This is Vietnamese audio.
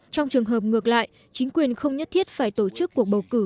trong trường hợp ngược lại chính quyền không nhất thiết phải tổ chức cuộc bầu cử